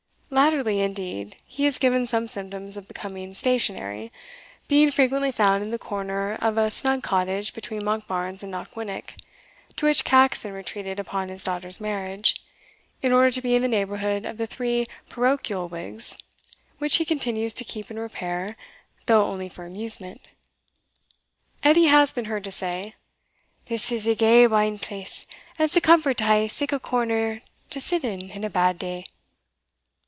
Latterly, indeed, he has given some symptoms of becoming stationary, being frequently found in the corner of a snug cottage between Monkbarns and Knockwinnock, to which Caxon retreated upon his daughter's marriage, in order to be in the neighbourhood of the three parochial wigs, which he continues to keep in repair, though only for amusement. Edie has been heard to say, "This is a gey bein place, and it's a comfort to hae sic a corner to sit in in a bad day."